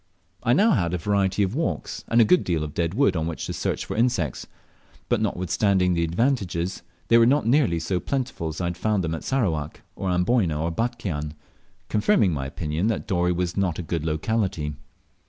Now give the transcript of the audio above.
I had now a variety of walks, and a good deal of dead wood on which to search for insects; but notwithstanding these advantages, they were not nearly so plentiful as I had found them at Sarawak, or Amboyna, or Batchian, confirming my opinion that Dorey was not a good locality.